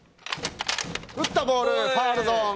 打ったボール、ファウルゾーン。